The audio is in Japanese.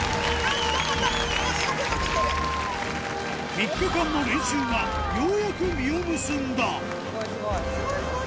３日間の練習がようやく実を結んだスゴいスゴい！